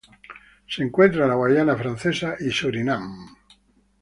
Se encuentra en la Guayana Francesa y Surinam.